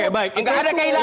sama sekali tidak ada